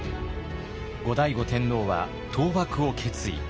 後醍醐天皇は倒幕を決意。